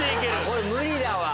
これ無理だわ。